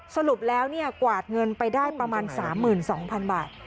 สรุปแล้วกวาดเงินไปได้ประมาณ๓๒๐๐๐บาท